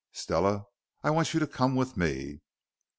"Stella, I want you to come with me."